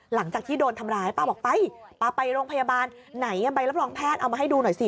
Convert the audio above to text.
หลังจากที่โดนทำร้ายป้าบอกไปป้าไปโรงพยาบาลไหนใบรับรองแพทย์เอามาให้ดูหน่อยสิ